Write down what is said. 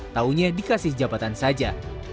tahunya dikasih jabatan saja